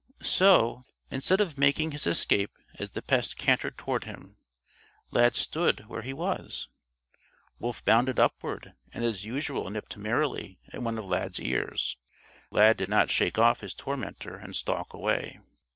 So, instead of making his escape as the pest cantered toward him, Lad stood where he was. Wolf bounded upward and as usual nipped merrily at one of Lad's ears. Lad did not shake off his tormentor and stalk away.